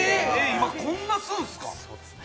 今、こんな、すんですか？